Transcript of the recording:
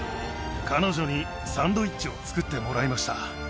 彼女にサンドイッチを作ってもらいました。